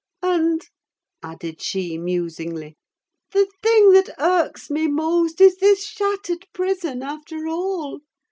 And," added she musingly, "the thing that irks me most is this shattered prison, after all.